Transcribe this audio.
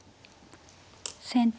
先手